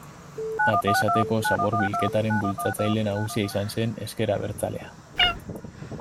Atez ateko zabor bilketaren bultzatzaile nagusia izan zen ezker abertzalea.